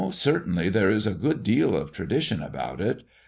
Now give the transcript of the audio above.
"Certainly there is a good deal of tradition about it.